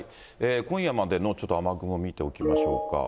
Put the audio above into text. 今夜までのちょっと雨雲見ておきましょうか。